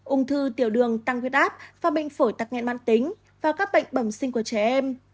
ung thư tiểu đường tăng huyết áp và bệnh phổi tắc nghẹn mãn tính và các bệnh bẩm sinh của trẻ em